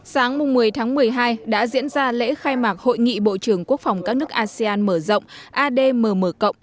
sáng một mươi tháng một mươi hai đã diễn ra lễ khai mạc hội nghị bộ trưởng quốc phòng các nước asean mở rộng admm